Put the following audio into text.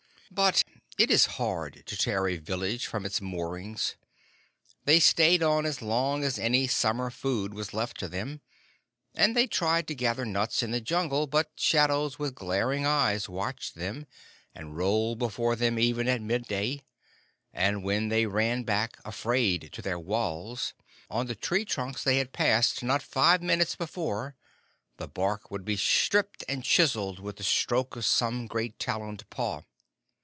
But it is hard to tear a village from its moorings. They stayed on as long as any summer food was left to them, and they tried to gather nuts in the Jungle, but shadows with glaring eyes watched them, and rolled before them even at midday; and when they ran back afraid to their walls, on the tree trunks they had passed not five minutes before the bark would be stripped and chiseled with the stroke of some great taloned paw.